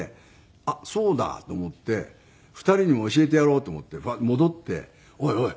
あっそうだ！と思って２人にも教えてやろうと思って戻って「おいおい！